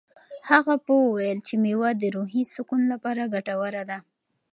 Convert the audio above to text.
هغه پوه وویل چې مېوه د روحي سکون لپاره ګټوره ده.